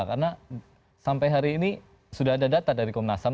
karena sampai hari ini sudah ada data dari komnas ham